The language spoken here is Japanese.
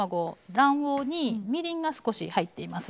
卵黄にみりんが少し入っています。